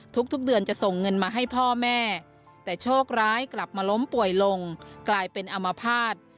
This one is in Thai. ทุกเดือนจะส่งเงินมาให้พ่อแม่แต่โชคร้ายกลับมาล้มป่วยลงกลายเป็นอมภาษณ์